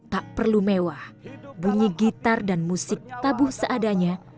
tak perlu mewah bunyi gitar dan musik tabuh seadanya